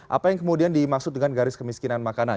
apa yang kemudian dimaksud dengan garis kemiskinan makanan